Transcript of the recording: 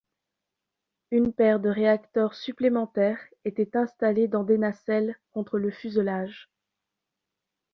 Une paire de réacteurs supplémentaires était installés dans des nacelles contre le fuselage.